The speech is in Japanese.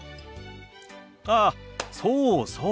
あそうそう。